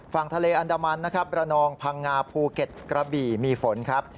ฝั่งทะเลอันดามันนะครับระนองพังงาภูเก็ตกระบี่มีฝนครับ